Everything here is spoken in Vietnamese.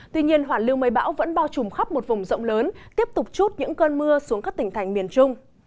tuy nhiên hoàn lưu mây bão vẫn bao trùm khắp một vùng rộng lớn tiếp tục chút những cơn mưa xuống các tỉnh thành miền trung